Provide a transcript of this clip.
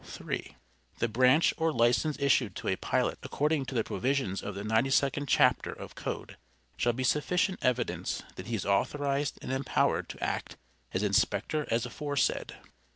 (3.) The branch or license issued to a pilot according to the provisions of the 92d chapter of Code, shall be sufficient evidence that he is authorized and empowered to act as inspector as aforesaid.